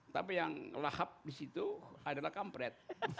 tapi yang lahap disitu adalah kampret